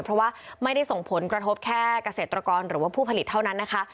เพราะว่าไม่ได้ส่งผลกระทบแค่เกษตรกรหรือว่าผู้ผลิตเท่านั้นนะคะ